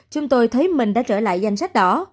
chúng tôi thấy mình đã trở lại danh sách đỏ